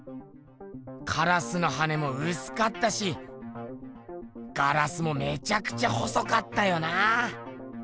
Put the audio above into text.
カラスの羽もうすかったしガラスもめちゃくちゃ細かったよな。